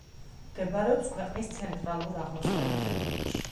მდებარეობს ქვეყნის ცენტრალურ-აღმოსავლეთ რეგიონში.